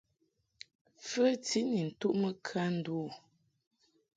Fəti ni ntuʼmɨ kan ndu u.